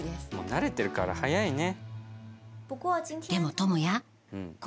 慣れてるから早いね。